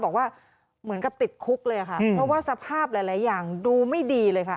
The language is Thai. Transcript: บอกว่าเหมือนกับติดคุกเลยค่ะเพราะว่าสภาพหลายอย่างดูไม่ดีเลยค่ะ